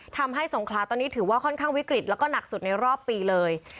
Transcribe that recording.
สงขลาตอนนี้ถือว่าค่อนข้างวิกฤตแล้วก็หนักสุดในรอบปีเลย